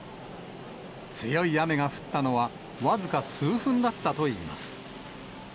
強い雨が降ったのは、僅か数分だったといいます。